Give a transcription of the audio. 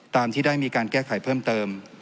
ตามที่ได้มีการแก้ไขเพิ่มเติม